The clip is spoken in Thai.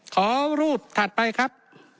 ขอรูปถัดไปครับ